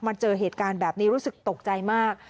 เจอเหตุการณ์แบบนี้รู้สึกตกใจมาก